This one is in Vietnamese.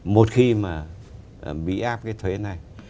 một khi mà mỹ áp cái thuế này